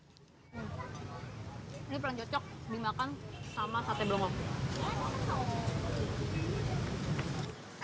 ini paling cocok dimakan sama sate blemop